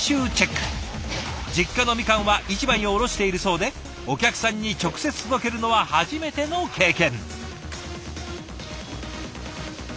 実家のみかんは市場に卸しているそうでお客さんに直接届けるのは初めての経験。